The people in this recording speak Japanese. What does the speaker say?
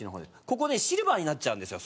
ここねシルバーになっちゃうんですよ